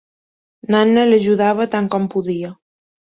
N'Anna l'ajudava tant com podia